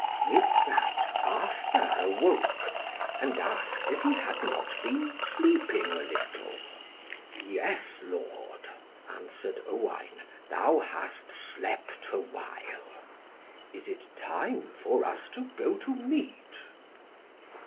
With that Arthur awoke, and asked if he had not been sleeping a little. "Yes, Lord," answered Owain, "thou hast slept awhile." "Is it time for us to go to meat?"